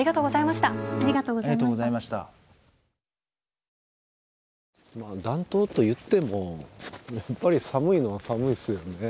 まあ暖冬といってもやっぱり寒いのは寒いっすよね。